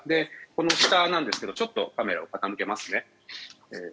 この下なんですがちょっとカメラを傾けますね。